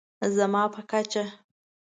زما په کچه